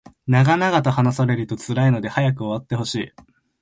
長々と話されると辛いので早く終わってほしい